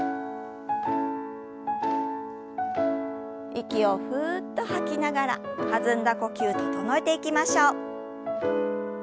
息をふっと吐きながら弾んだ呼吸整えていきましょう。